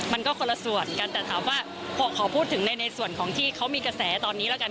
มันก็คนละส่วนกันแต่ถามว่าขอพูดถึงในส่วนของที่เขามีกระแสตอนนี้แล้วกัน